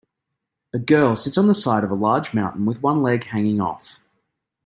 A girl sits on the side of a large mountain with one leg hanging off.